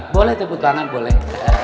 boleh tepuk tangan boleh